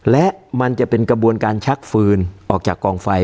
และมันจะเป็นกระบวนการชักฟืนออกจากกองไฟ